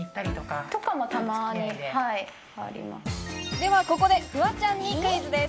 ではここでフワちゃんにクイズです。